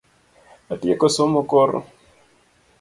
Atieko somo koro